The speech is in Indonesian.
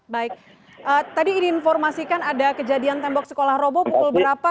baik tadi diinformasikan ada kejadian tembok sekolah roboh pukul berapa